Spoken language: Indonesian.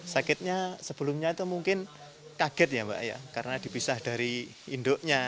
sakitnya sebelumnya itu mungkin kaget ya mbak ya karena dipisah dari induknya